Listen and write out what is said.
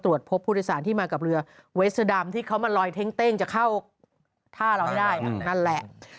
ตรวจพบผู้โดยสารที่มาทางเวสเตอร์ดามที่เขามาลอยเถ้งจะเข้าท่าเราให้ได้